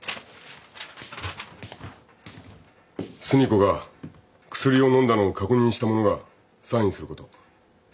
寿美子が薬を飲んだのを確認した者がサインすること。